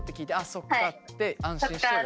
そっかって安心して終わる？